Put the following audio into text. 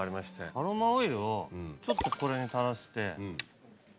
アロマオイルをちょっとこれに垂らして。